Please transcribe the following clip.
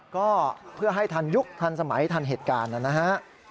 ก็เพื่อให้ทันยุคทันสมัยทันเหตุการณ์นะฮะ